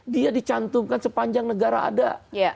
dia dicantumkan sepanjang negara ada